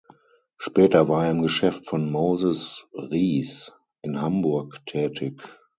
Später war er im Geschäft von Moses Ries in Hamburg tätig.